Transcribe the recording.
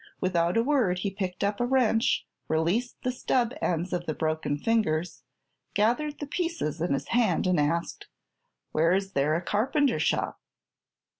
Without a word he picked up a wrench, released the stub ends of the broken fingers, gathered the pieces in his hand and asked: "Where is there a carpenter shop?"